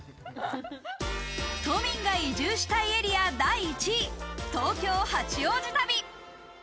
都民が移住したいエリア第１位、東京・八王子旅。